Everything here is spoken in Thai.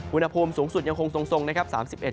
อุณหภูมิสูงสุดยังคงทรงนะครับ